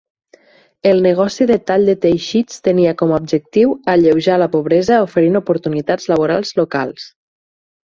El negoci de tall de teixits tenia com a objectiu alleujar la pobresa oferint oportunitats laborals locals.